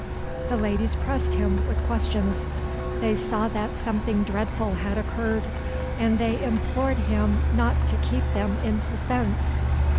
The ladies pressed him with questions: they saw that something dreadful had occurred—and they implored him not to keep them in suspense.